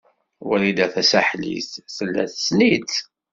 Wrida Tasaḥlit tella tessen-itt.